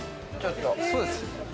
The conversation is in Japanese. そうです。